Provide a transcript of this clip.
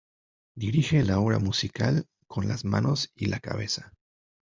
Dirige la obra musical con las manos y la cabeza.